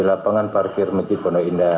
lapangan parkir majid pondowinda